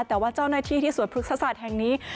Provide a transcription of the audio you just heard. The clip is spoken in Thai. แต่ว่าเจ้าหน้าที่ที่สวยพฤกษศาสตร์แห่งนี้